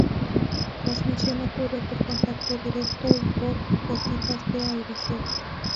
La transmisión ocurre por contacto directo o por gotitas de aerosol.